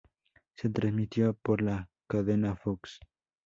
Se transmitió por la cadena Fox.